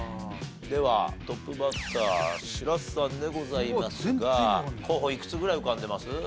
ではトップバッター白洲さんでございますが候補いくつぐらい浮かんでます？